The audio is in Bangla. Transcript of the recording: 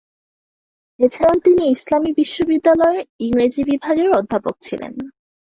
এছাড়াও তিনি ইসলামী বিশ্ববিদ্যালয়ের ইংরেজি বিভাগের অধ্যাপক ছিলেন।